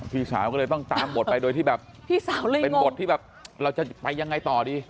พี่สาวก็เลยต้องตามบทไปโดยที่แบบเป็นบทที่แบบเราจะไปยังไงต่อดี